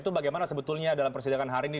itu bagaimana sebetulnya dalam persidangan hari ini